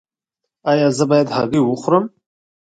ایا زه باید هګۍ وخورم؟